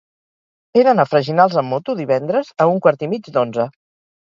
He d'anar a Freginals amb moto divendres a un quart i mig d'onze.